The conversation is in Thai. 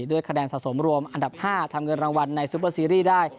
ด้วยคะแนนสะสมรวมอันดับ๕ทำเงินรางวัลในซูเปอร์ซีรีส์ได้